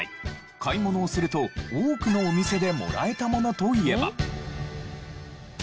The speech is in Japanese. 買い物をすると多くのお店でもらえたものといえば。